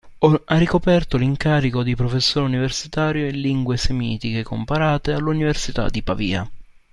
Ha ricoperto l'incarico di professore universitario in Lingue semitiche comparate all'Università di Pavia.